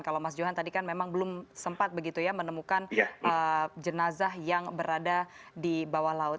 kalau mas johan tadi kan memang belum sempat begitu ya menemukan jenazah yang berada di bawah laut